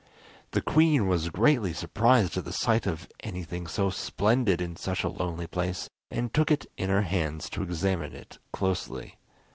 The queen was greatly surprised at the sight of anything so splendid in such a lonely place, and took it in her hands to examine it closely.